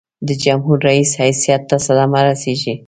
د جمهور رئیس حیثیت ته صدمه رسيږي.